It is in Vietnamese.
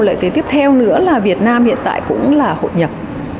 lợi thế tiếp theo nữa là việt nam hiện tại cũng là hội nhập